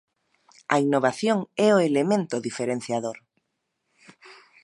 A innovación é o elemento diferenciador.